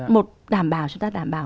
một đảm bảo chúng ta đảm bảo